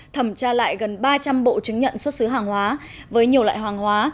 thẩm tra lại gần ba trăm linh bộ chứng nhận xuất xứ hàng hóa với nhiều loại hàng hóa